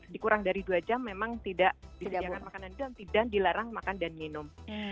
dikurang dari dua jam memang tidak dilarang makan dan minum